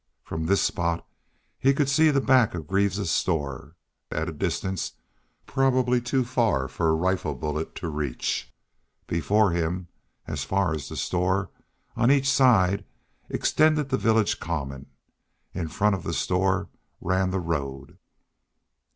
From this spot he could see the back of Greaves's store, at a distance probably too far for a rifle bullet to reach. Before him, as far as the store, and on each side, extended the village common. In front of the store ran the road.